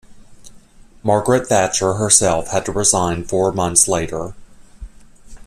Margaret Thatcher herself had to resign four months later.